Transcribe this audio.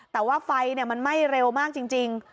แต่ว่าไฟเนี่ยมันไม่เร็วมากจริง